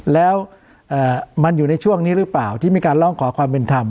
แล้วมันอยู่ในช่วงนี้หรือเปล่าที่มีการร้องขอความเป็นธรรม